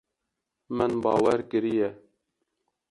Min bawer kiriye.